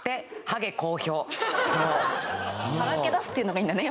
さらけ出すっていうのがいいんだね